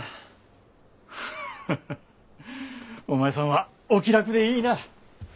ハハお前さんはお気楽でいいな！